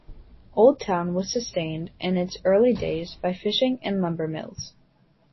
Old Town was sustained in its early days by fishing and lumber mills.